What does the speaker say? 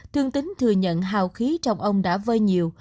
thương tính thừa nhận hào khí trong ông đã vơi nhiều